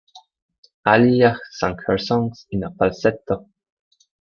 Aaliyah sang her songs in a falsetto.